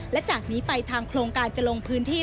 และจากนี้ไปทางโครงการจะลงพื้นที่